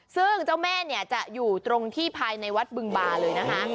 ซึ่งเจ้าแม่เนี่ยจะอยู่ตรงที่ภายในวัดบึงบาเลยนะคะ